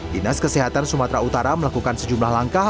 dinas kesehatan sumatera utara melakukan sejumlah langkah